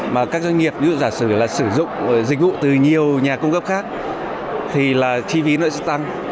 mà các doanh nghiệp ví dụ giả sử là sử dụng dịch vụ từ nhiều nhà cung cấp khác thì là chi phí nó sẽ tăng